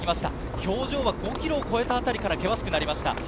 表情は５ｋｍを越えたあたりから険しくなりました。